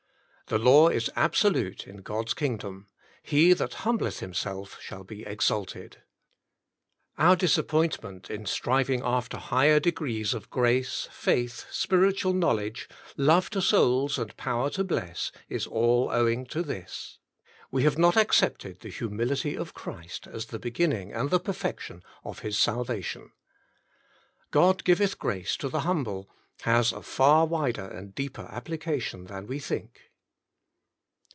The law is absolute in God's Kingdom — "He that humbleth himself shall be exalted." Our disappointment in striving after higher degrees of grace, faith, spiritual knowledge, love to souls and power to bless, is all owing to this. We have not accepted the humility of Christ as the beginning and the perfection of His salvation. "GTod giveth grace to the humble" has a far wider and deeper application than we think.